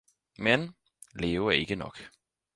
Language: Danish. Men, leve er ikke nok